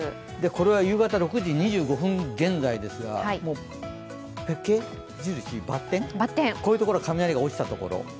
これは夕方６時２５分現在ですが、バッテン印、こういうところは雷が落ちたところ。